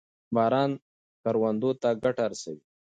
باران کروندو ته ګټه رسوي.